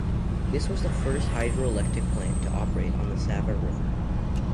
This was the first hydroelectric plant to operate on the Sava River.